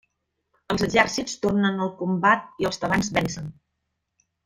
Els exèrcits tornen al combat i els tebans vencen.